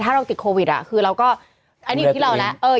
ถ้าเราติดโควิดคือเราก็อันนี้อยู่ที่เราแล้ว